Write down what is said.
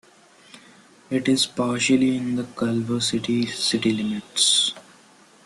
It is partially in the Culver City city limits.